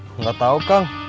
tidak tahu kak